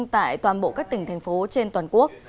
tại toàn bộ các tỉnh thành phố trên toàn quốc